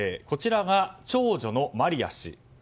こちらが長女のマリア氏。